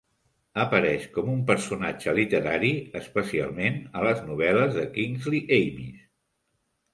Apareix com un personatge literari, especialment a les novel·les de Kingsley Amis.